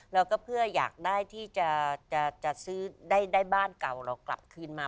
เราก็เพื่ออยากได้ที่จะซื้อได้บ้านเก่าเรากลับคืนมา